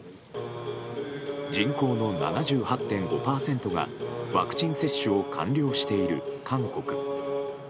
人口の７８．５％がワクチン接種を完了している韓国。